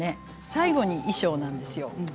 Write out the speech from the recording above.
最後に衣装なんですよ。